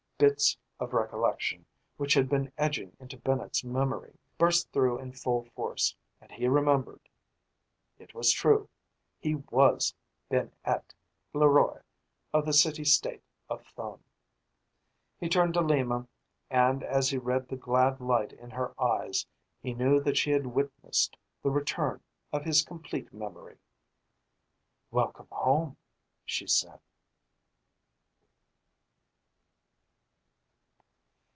Bits of recollection, which had been edging into Bennett's memory, burst through in full force, and he remembered. It was true. He was Benn Ett, Le Roy of the city state of Thone. He turned to Lima and, as he read the glad light in her eyes, he knew that she had witnessed the return of his complete memory. "Welcome home," she said.